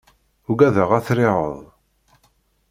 Ugadeɣ ad triεeḍ.